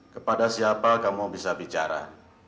kepada siapa kamu bisa bicara